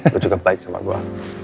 gue cukup baik sama gue